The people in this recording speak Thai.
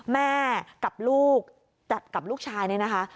แม่กับลูกกับลูกชายนี่นะคะ